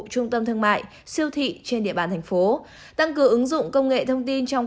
trung tâm thương mại siêu thị trên địa bàn thành phố tăng cường ứng dụng công nghệ thông tin trong